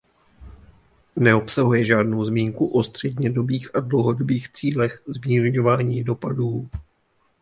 Neobsahuje žádnou zmínku o střednědobých a dlouhodobých cílech zmírňování dopadů.